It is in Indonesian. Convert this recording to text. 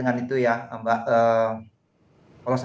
nah jadi dulu kita pikirin ya